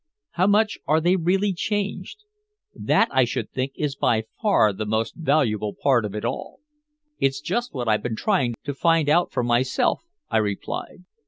How much are they really changed? That, I should think, is by far the most valuable part of it all." "It's just what I've been trying to find out for myself," I replied.